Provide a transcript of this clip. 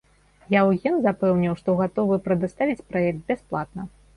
Яўген запэўніў што гатовы прадаставіць праект бясплатна.